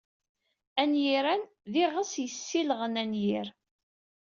Anyiran d iɣes yessilɣen anyir.